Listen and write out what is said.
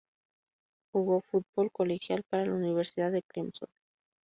Jugo fútbol colegial para la Universidad de Clemson.